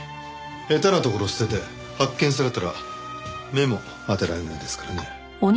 下手な所捨てて発見されたら目も当てられないですからね。